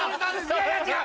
いやいや違う！